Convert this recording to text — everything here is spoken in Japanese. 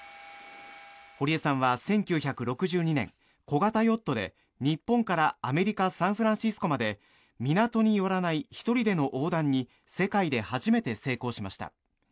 堀江さんは１９６２年小型ヨットで日本からアメリカ・サンフランシスコまで港に寄らない１人での横断に世界で初めて成功しました。